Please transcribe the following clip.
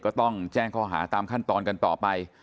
ก็ต้องแจ้งข้อหาตามขั้นตอนกันต่อไป